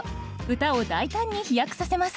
歌を大胆に飛躍させます。